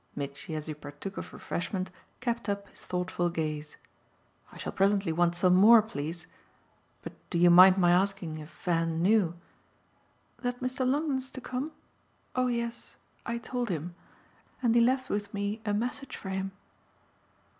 Mitchy, as he partook of refreshment, kept up his thoughtful gaze. "I shall presently want some more, please. But do you mind my asking if Van knew " "That Mr. Longdon's to come? Oh yes, I told him, and he left with me a message for him."